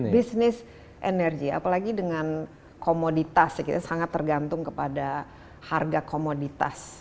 bisnis energi apalagi dengan komoditas ya kita sangat tergantung kepada harga komoditas